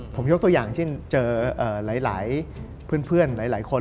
ผมยกตัวอย่างซึ่งเจอหลายเพื่อน